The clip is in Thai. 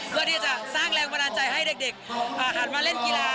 เพื่อที่จะสร้างแรงบันดาลใจให้เด็กหันมาเล่นกีฬา